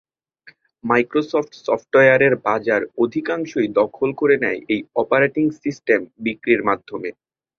Microsoft সফটওয়্যারের বাজার অধিকাংশই দখল করে নেয় এই অপারেটিং সিস্টেম বিক্রির মাধ্যমে।